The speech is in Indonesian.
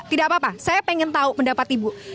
tidak apa apa saya ingin tahu pendapat ibu